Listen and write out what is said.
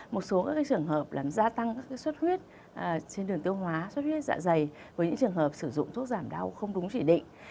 một số trường hợp làm gia tăng các suất huyết trên đường tiêu hóa xuất huyết dạ dày với những trường hợp sử dụng thuốc giảm đau không đúng chỉ định